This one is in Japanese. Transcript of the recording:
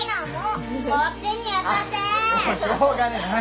もうしょうがねえな。